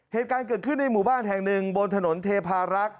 เหตุการณ์เกิดขึ้นในหมู่บ้านแห่งหนึ่งบนถนนเทพารักษ์